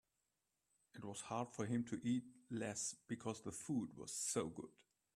It was hard for him to eat less because the food was so good.